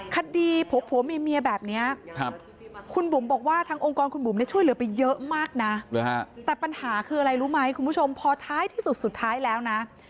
คดีผัวเมียแบบนี้คุณบุ๋มบอกว่าทางองค์กรคุณบุ๋มเนี่ยช่วยเหลือไปเยอะมากนะแต่ปัญหาคืออะไรรู้ไหมคุณผู้ชมพอท้ายที่สุดสุดท้ายแล้วนะ